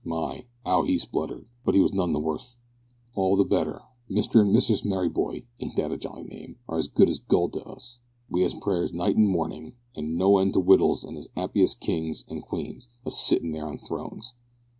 my ow e spluterd. but e was non the wus all the better, mister an mistress meryboi aint that a joly naim are as good as gold to us. we as prairs nite and mornin an no end o witls an as appy as kings and kueens a sitin on there throns.